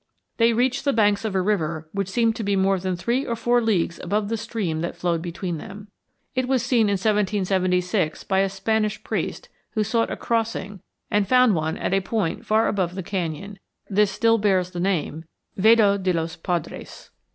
"They reached the banks of a river which seemed to be more than three or four leagues above the stream that flowed between them." It was seen in 1776 by a Spanish priest who sought a crossing and found one at a point far above the canyon; this still bears the name Vado de los Padres.